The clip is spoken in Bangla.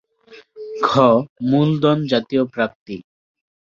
ঘ. মূলধনজাতীয় প্রাপ্তি